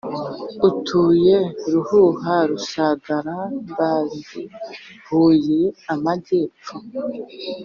utuye Ruhuha RusagaraMbazi Huye Amajyepfo